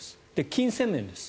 金銭面です。